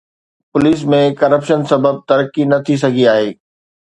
police ۾ corruption سبب ترقي نه ٿي سگهي آهي